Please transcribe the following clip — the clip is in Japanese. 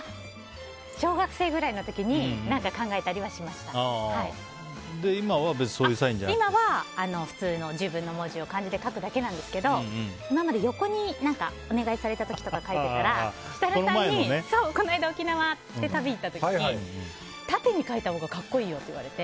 小学校ぐらいの時に今は今は、普通の自分の文字を漢字で書くだけなんですけど今まで横にお願いされた時とか書いてたら設楽さんに、この間沖縄に旅に行った時に縦に書いたほうが格好いいよって言われて。